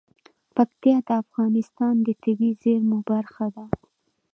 پکتیا د افغانستان د طبیعي زیرمو برخه ده.